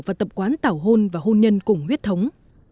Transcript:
và tập quán tảo hôn và hôn nhân cùng huyết thống